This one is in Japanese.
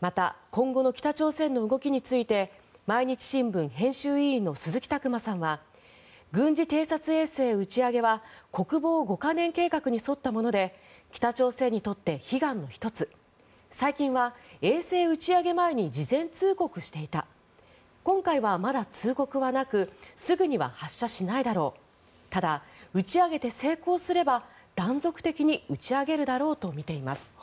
また、今後の北朝鮮の動きについて毎日新聞編集委員の鈴木琢磨さんは軍事偵察衛星打ち上げは国防五カ年計画に沿ったもので北朝鮮にとって悲願の１つ最近は衛星打ち上げ前に事前通告していた今回はまだ通告はなくすぐには発射しないだろうただ、打ち上げて成功すれば断続的に打ち上げるだろうとみています。